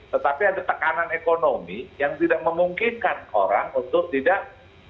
tetapi ada tekanan ekonomi yang tidak memungkinkan orang untuk tidak